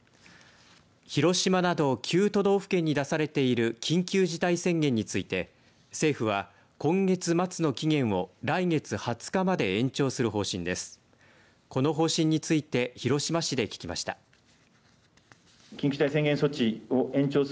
広島など９都道府県に出されている緊急事態宣言について政府は今月末の期限を来月２０日まで延長する方針です。